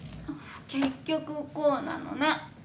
結局こうなのね。